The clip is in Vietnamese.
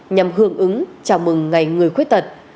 nhằm hưởng ứng chào mừng ngày người khuyết tật